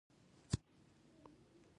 ښارونه د افغانستان په ستراتیژیک اهمیت کې دي.